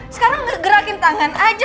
sekarang ngegerakin tangan aja